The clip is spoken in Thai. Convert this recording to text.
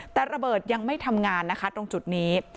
แต่ระเบิดยังไม่ทำงานนะคะตรงจุดนี้